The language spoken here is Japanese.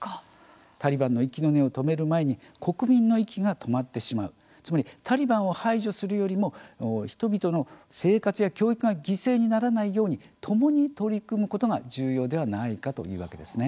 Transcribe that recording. タリバンの息の根を止める前に国民の息が止まってしまうつまりタリバンを排除するよりも人々の生活や、教育が犠牲にならないように共に取り組むことが重要ではないかというわけですね。